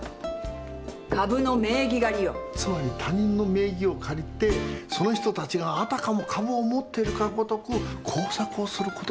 つまり他人の名義を借りてその人たちがあたかも株を持ってるかごとく工作をすることですな。